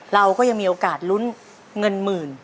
เราก็ยังมีโอกาสลุ้นเงินหมื่น